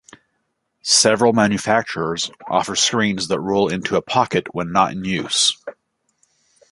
Several manufacturers offer screens that roll into a pocket when not in use.